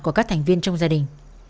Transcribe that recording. của các thành viên trong gia đình